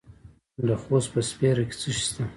د خوست په سپیره کې څه شی شته؟